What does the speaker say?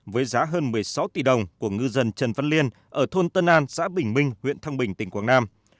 với giá hơn một mươi sáu tỷ đồng của ngư dân trần văn liên ở thôn tân an xã bình minh huyện thăng bình tỉnh quảng nam